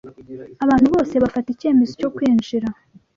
Abantu bose bafata icyemezo cyo kwinjira